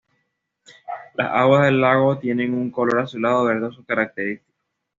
Las aguas del lago tienen un color azulado verdoso característico.